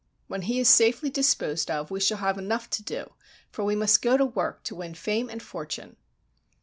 When he is safely disposed of we shall have enough to do, for we must go to work to win fame and fortune."